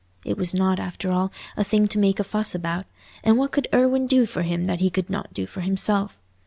It was not, after all, a thing to make a fuss about; and what could Irwine do for him that he could not do for himself?